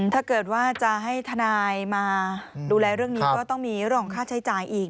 ถ้าเกิดว่าจะให้ทนายมาดูแลเรื่องนี้ก็ต้องมีเรื่องของค่าใช้จ่ายอีก